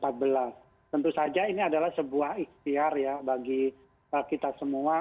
tentu saja ini adalah sebuah ikhtiar ya bagi kita semua